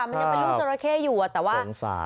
มันยังเป็นลูกจราเข้อยู่แต่ว่า